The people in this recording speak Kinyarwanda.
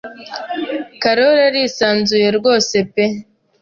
Karoli arisanzuye rwose pe.